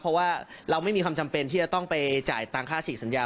เพราะว่าเราไม่มีความจำเป็นที่จะต้องไปจ่ายตังค่าฉีกสัญญา